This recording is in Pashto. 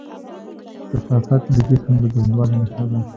کثافت د جسم د دروندوالي نښه ده.